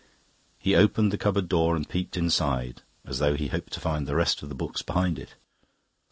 He opened the cupboard door and peeped inside, as though he hoped to find the rest of the books behind it.